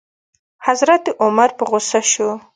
حضرت عمر په غوسه شو.